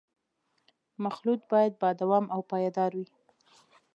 مخلوط باید با دوام او پایدار وي